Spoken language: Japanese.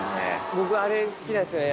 僕あれ、好きなんですよね。